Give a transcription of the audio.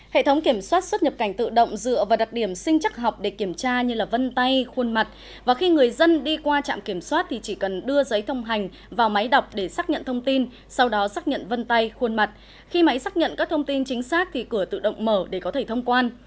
hệ thống kiểm soát xuất nhập cảnh tự động dựa vào đặc điểm sinh chắc học để kiểm tra như vân tay khuôn mặt và khi người dân đi qua trạm kiểm soát thì chỉ cần đưa giấy thông hành vào máy đọc để xác nhận thông tin sau đó xác nhận vân tay khuôn mặt khi máy xác nhận các thông tin chính xác thì cửa tự động mở để có thể thông quan